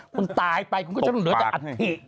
คุณตายไปคุณก็จะเหลือแต่อัฐิ